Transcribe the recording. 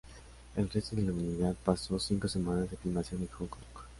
El resto de la unidad pasó cinco semanas de filmación en Hong Kong.